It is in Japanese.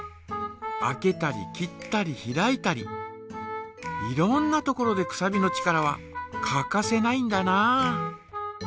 開けたり切ったり開いたりいろんなところでくさびの力は欠かせないんだな。